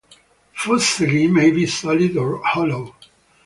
"Fusilli" may be solid or hollow.